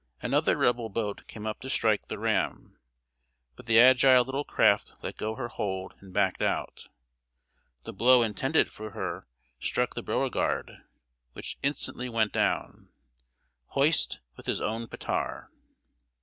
Another Rebel boat came up to strike the ram, but the agile little craft let go her hold and backed out. The blow intended for her struck the Beauregard, which instantly went down, "hoist with his own petar."